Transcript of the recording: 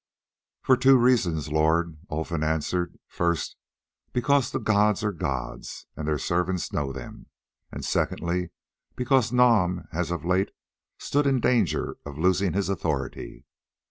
"For two reasons, lord," Olfan answered; "first, because the gods are gods, and their servants know them; and secondly, because Nam has of late stood in danger of losing his authority.